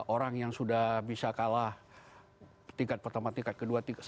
orang yang sudah bisa kalah tingkat pertama tingkat kedua satu